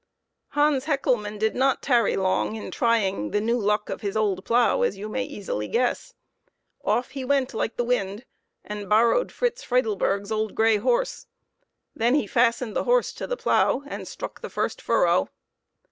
Hans Hecklemann did not tarry long in trying the new luck of his old plough, as you may easily guess. Off he went like the wind and borrowed Fritz Friedleburg's old gray horse. Then he fastened the horse to the plough and struck the first furrow.